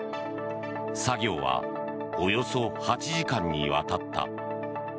作業はおよそ８時間にわたった。